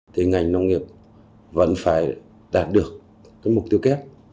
thì ngành nông nghiệp vẫn phải đạt được mục tiêu kết